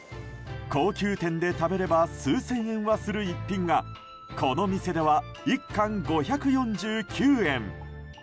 高級店で食べれば数千円はする逸品がこの店では１貫５４９円。